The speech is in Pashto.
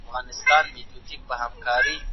سوسیالیزم به کله ناکام سي؟